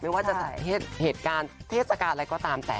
ไม่ว่าจะเหตุการณ์เทศกาลอะไรก็ตามแต่